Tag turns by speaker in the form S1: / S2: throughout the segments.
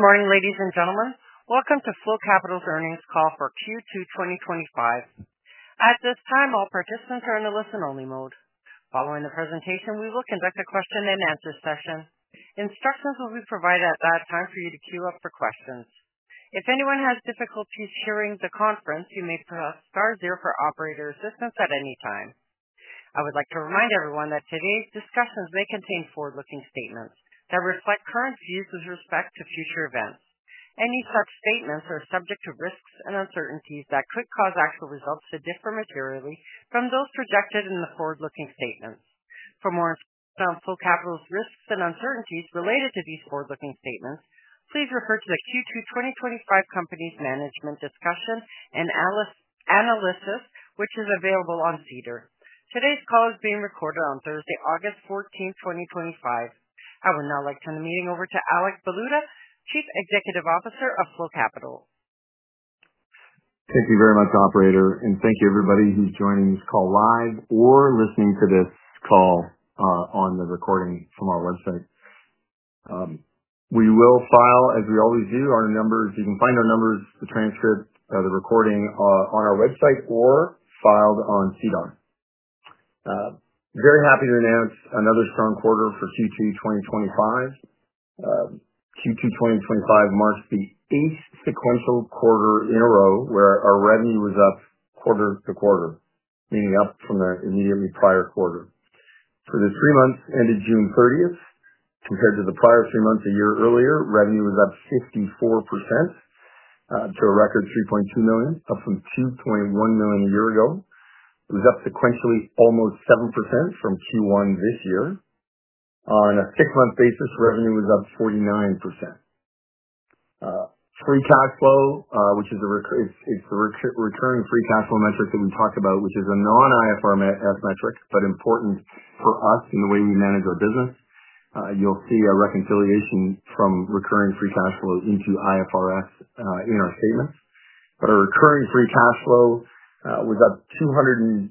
S1: Good morning, ladies and gentlemen. Welcome to Flow Capital's Earnings Call for Q2 2025. At this time, all participants are in a listen-only mode. Following the presentation, we will conduct a question and answer session. Instructions will be provided at that time for you to queue up for questions. If anyone has difficulties hearing the conference, you may press star zero for operator assistance at any time. I would like to remind everyone that today's discussions may contain forward-looking statements that reflect current views with respect to future events. Any such statements are subject to risks and uncertainties that could cause actual results to differ materially from those projected in the forward-looking statements. For more info on Flow Capital's risks and uncertainties related to these forward-looking statements, please refer to the Q2 2025 company's management discussion and analysis, which is available on SEDAR. Today's call is being recorded on Thursday, August 14, 2025. I would now like to turn the meeting over to Alex Baluta, Chief Executive Officer of Flow Capital.
S2: Thank you very much, Operator, and thank you everybody who's joining this call live or listening to this call on the recording from our website. We will file, as we always do, our numbers. You can find our numbers, the transcript, the recording on our website, or filed on SEDAR. Very happy to announce another strong quarter for Q2 2025. Q2 2025 marks the eighth sequential quarter in a row where our revenue was up quarter-to-quarter, meaning up from the immediately prior quarter. For the three months ending June 30th, compared to the prior three months a year earlier, revenue was up 54% to a record $3.2 million, up from $2.1 million a year ago. It was up sequentially almost 7% from Q1 this year. On a six-month basis, revenue was up 49%. Free cash flow, which is a recurring free cash flow metric that we talked about, which is a non-IFRS metric, but important for us in the way we manage our business. You'll see a reconciliation from recurring free cash flow into IFRS in our statements. Our recurring free cash flow was up 212%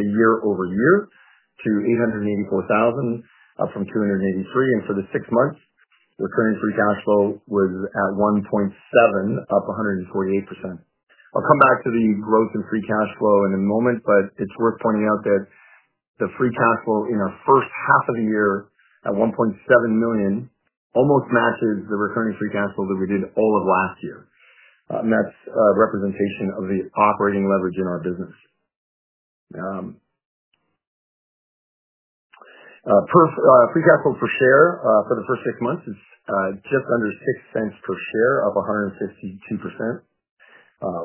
S2: year-over-year to $884,000, up from $283,000. For the six months, recurring free cash flow was at $1.7 million, up 148%. I'll come back to the growth in free cash flow in a moment, but it's worth pointing out that the free cash flow in our first half of the year at $1.7 million almost matches the recurring free cash flow that we did all of last year. That's a representation of the operating leverage in our business. Free cash flow per share for the first six months is just under $0.06 per share, up 152%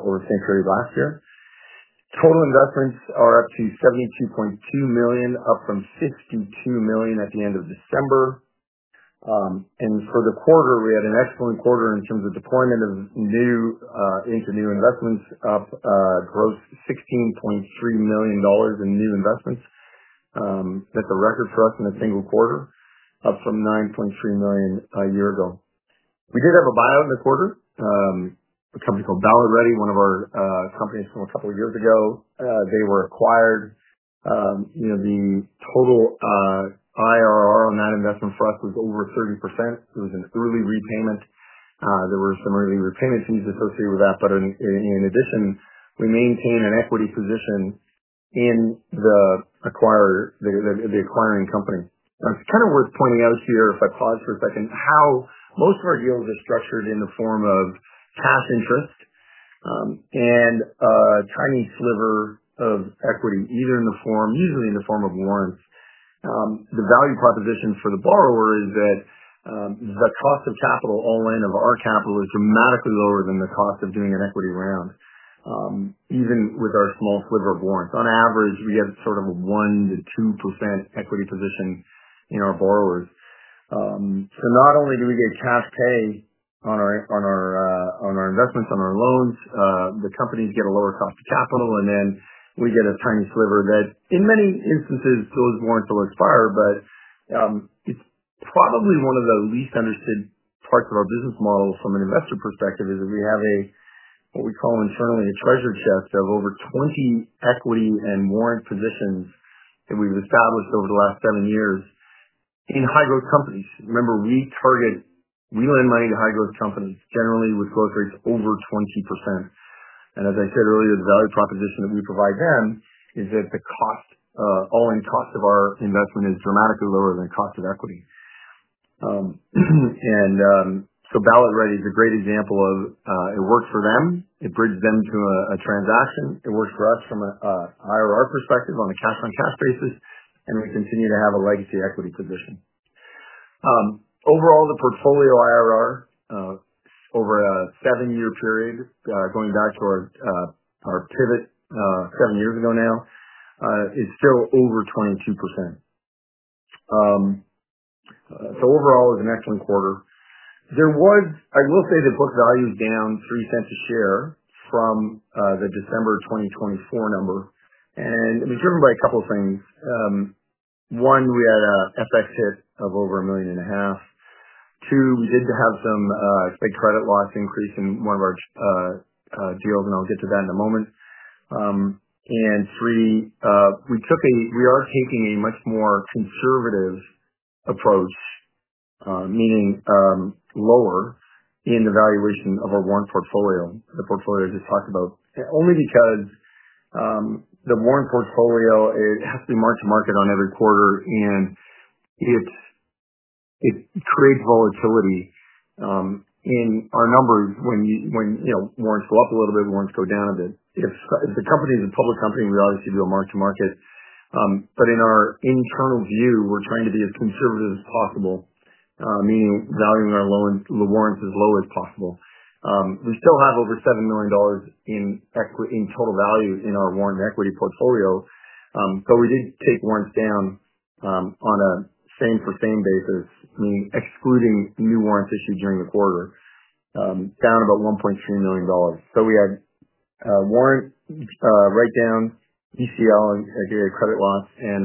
S2: over the same period of last year. Total investments are up to $72.2 million, up from $62 million at the end of December. For the quarter, we had an excellent quarter in terms of deployment into new investments, up gross $16.3 million in new investments. That's a record for us in a single quarter, up from $9.3 million a year ago. We did have a buyout in the quarter. A company called Valor Ready, one of our companies, sold a couple of years ago. They were acquired. The total IRR on that investment for us was over 30%. It was in thorough repayment. There were some early retainment fees associated with that, but in addition, we maintain an equity position in the acquiring company. It's kind of worth pointing out here, if I pause for a second, how most of our deals are structured in the form of cash interest and a tiny sliver of equity, either in the form, usually in the form of warrants. The value proposition for the borrower is that the cost of capital all-in of our capital is dramatically lower than the cost of doing an equity round, even with our small sliver of warrants. On average, we have sort of a 1%-2% equity position in our borrowers. Not only do we get cash pay on our investments, on our loans, the companies get a lower cost of capital, and then we get a tiny sliver that, in many instances, those warrants will expire. It's probably one of the least understood parts of our business model from an investor perspective, that we have what we call internally a treasury chest of over 20 equity and warrant positions that we've established over the last seven years in high-growth companies. Remember, we target new and mining to high-growth companies, generally with growth rates over 20%. As I said earlier, the value proposition that we provide them is that the all-in cost of our investment is dramatically lower than the cost of equity. Ready is a great example of it works for them. It bridges them to a transaction. It works for us from an IRR perspective on a cash-on-cash basis. We continue to have a legacy equity position. Overall, the portfolio IRR over a seven-year period, going back to our pivot seven years ago now, is still over 22%. Overall, it was an excellent quarter. The book value is down $0.03 a share from the December 2024 number. It was driven by a couple of things. One, we had an FX hit of over $1.5 million. Two, we did have some big credit loss increase in one of our deals, and I'll get to that in a moment. Three, we are taking a much more conservative approach, meaning lower in the valuation of our warrant portfolio, the portfolio I just talked about, only because the warrant portfolio has to be marked to market on every quarter, and it creates volatility in our numbers when you know warrants go up a little bit, warrants go down a bit. If the company is a public company, we obviously do a mark-to-market. In our internal view, we're trying to be as conservative as possible, meaning valuing our loan warrants as low as possible. We still have over $7 million in total value in our warrant equity portfolio. We did take warrants down on a same-for-same basis, excluding new warrants issued during the quarter, down about $1.3 million. We had warrant write-downs, ECL, daily credit loss, and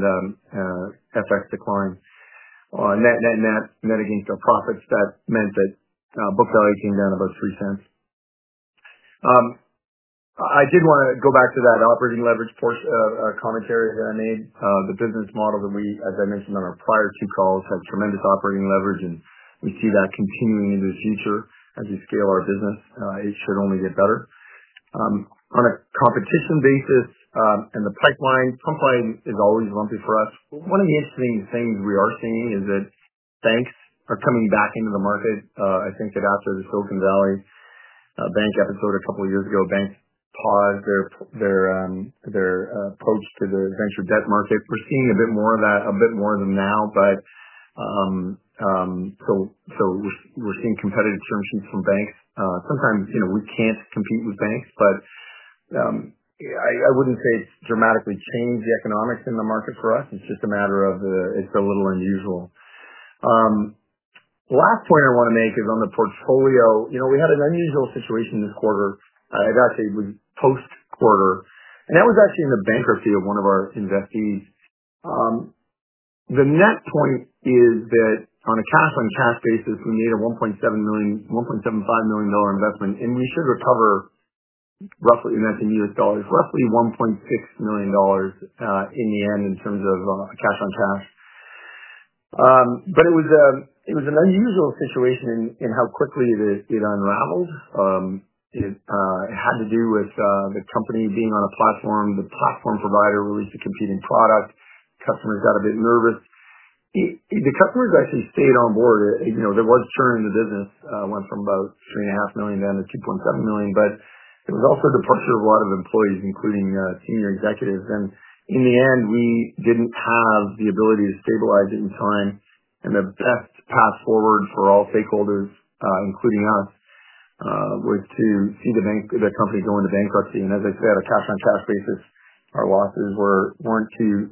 S2: FX decline. That net against our profits meant that book value came down about $0.03. I did want to go back to that operating leverage commentary that I made. The business model that we, as I mentioned on our prior two calls, have tremendous operating leverage, and we see that continuing into the future as we scale our business. It should only get better. On a competition basis and the pipeline, pipeline is always lumpy for us. One of the interesting things we are seeing is that banks are coming back into the market. I think that after the Silicon Valley Bank episode a couple of years ago, banks paused their approach to the venture debt market. We're seeing a bit more of that, a bit more of them now. We're seeing competitive strengths from banks. Sometimes, you know, we can't compete with banks, but I wouldn't say it's dramatically changed the economics in the market for us. It's just a matter of it's a little unusual. Last point I want to make is on the portfolio. We had an unusual situation this quarter. It actually was post-quarter. That was actually in the bankruptcy of one of our investees. The net point is that on a cash-on-cash basis, we made a $1.75 million investment, and we should recover roughly, and that's in U.S. dollars, roughly $1.6 million in the end in terms of a cash-on-cash. It was an unusual situation in how quickly it unraveled. It had to do with the company being on a platform. The platform provider released a competing product. Customers got a bit nervous. The customers actually stayed on board. There was churn in the business. It went from about $3.5 million down to $2.7 million. It was also the departure of a lot of employees, including senior executives. In the end, we didn't have the ability to stabilize it in time. The best path forward for all stakeholders, including us, was to see the company go into bankruptcy. As I said, on a cash-on-cash basis, our losses were tremendous.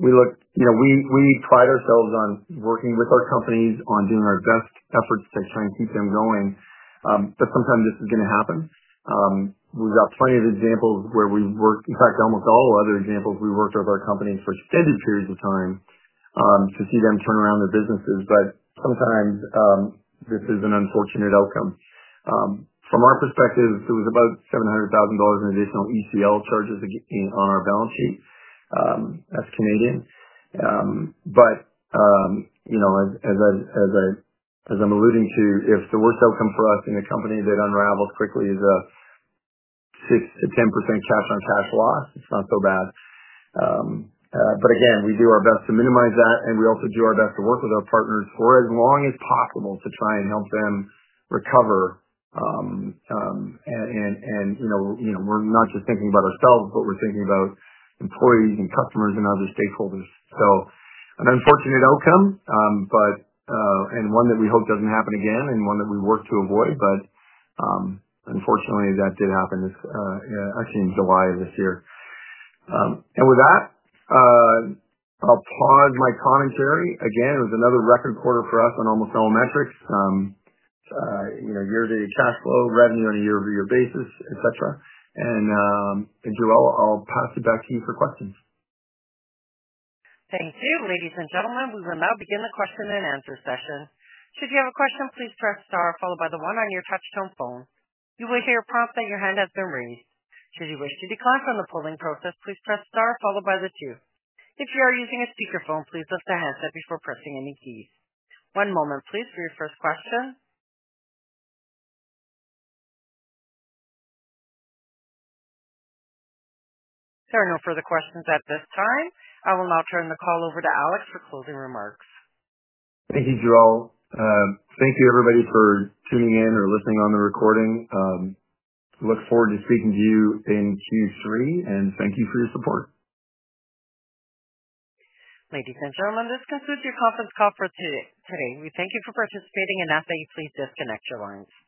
S2: We pride ourselves on working with our companies, on doing our best efforts to try and keep them going. Sometimes this is going to happen. We've got plenty of examples where we've worked, in fact, almost all other examples we've worked with our companies for extended periods of time to see them turn around their businesses. Sometimes this is an unfortunate outcome. From our perspective, it was about $700,000 in additional ECL charges on our balance sheet as Canadian. If the worst outcome for us in a company that unravels quickly is a 6%-10% cash-on-cash loss, it's not so bad. We do our best to minimize that. We also do our best to work with our partners for as long as possible to try and help them recover. We're not just thinking about ourselves, but we're thinking about employees and customers and other stakeholders. An unfortunate outcome, and one that we hope doesn't happen again and one that we work to avoid. Unfortunately, that did happen actually in July of this year. With that, I'll pause my commentary. It was another record quarter for us on all macro metrics, year-to-date cash flow, revenue on a year-over-year basis, etc. I'll pass it back to you for questions.
S1: Thank you, ladies and gentlemen. We will now begin the question and answer session. Should you have a question, please press star followed by the one on your touch-tone phone. You will hear a prompt that your hand has been raised. Should you wish to decline from the polling process, please press star followed by the two. If you are using a speaker phone, please listen to the answer before pressing any keys. One moment, please, for your first question. There are no further questions at this time. I will now turn the call over to Alex for closing remarks.
S2: Thank you, Jerroll. Thank you, everybody, for tuning in or listening on the recording. I look forward to speaking to you in Q3. Thank you for your support.
S1: Ladies and gentlemen, this concludes your conference call for today. We thank you for participating and ask that you please disconnect your lines.